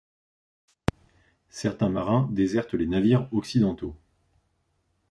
Certains marins désertent les navires occidentaux.